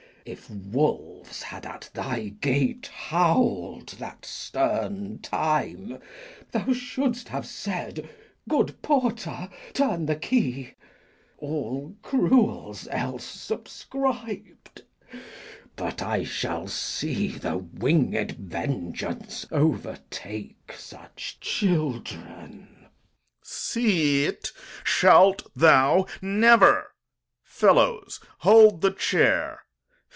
If wolves had at thy gate howl'd that stern time, Thou shouldst have said, 'Good porter, turn the key.' All cruels else subscrib'd. But I shall see The winged vengeance overtake such children. Corn. See't shalt thou never. Fellows, hold the chair.